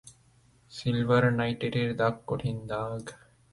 Silver নাইটেটের দাগ কঠিন দাগ।